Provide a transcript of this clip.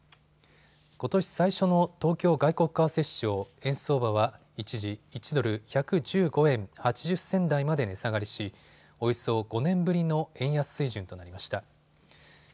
ことし最初の東京外国為替市場円相場は一時、１ドル１１５円８０銭台まで値下がりしおよそ５年ぶりの円安水準となりました。